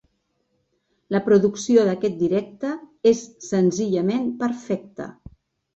La producció d'aquest directe és senzillament perfecta.